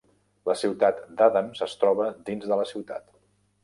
La ciutat d'Adams es troba dins de la ciutat.